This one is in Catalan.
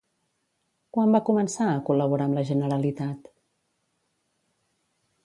Quan va començar a col·laborar amb la Generalitat?